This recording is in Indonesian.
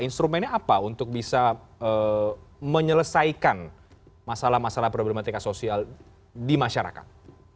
instrumennya apa untuk bisa menyelesaikan masalah masalah problematika sosial di masyarakat